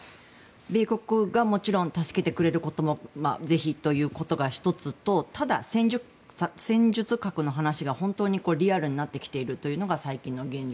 米国がもちろん助けてくれることも是非ということが１つとただ、戦術核の話が本当にリアルになってきているというのが最近の現状。